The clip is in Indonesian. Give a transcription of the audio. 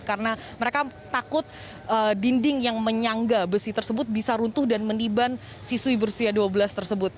karena mereka takut dinding yang menyangga besi tersebut bisa runtuh dan meniban siswi berusia dua belas tersebut